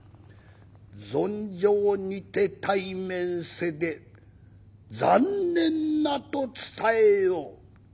「存生にて対面せで残念なと伝えよ。